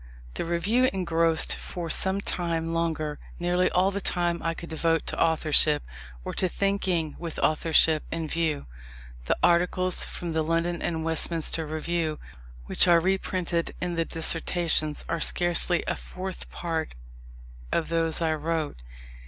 The Review engrossed, for some time longer, nearly all the time I could devote to authorship, or to thinking with authorship in view. The articles from the London and Westminster Review which are reprinted in the Dissertations, are scarcely a fourth part of those I wrote.